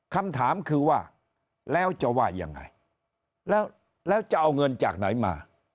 คำถามคือว่าแล้วจะว่ายังไงแล้วจะเอาเงินจากไหนมา